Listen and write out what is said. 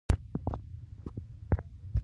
په اخلاص کښېنه، ریا مه کوه.